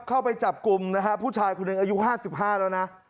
เข้าไปจับกลุ่มนะฮะผู้ชายคุณหนึ่งอายุห้าสิบห้าแล้วนะ